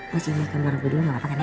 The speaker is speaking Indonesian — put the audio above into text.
kasih liat kamer gue dulu gapapa kan ya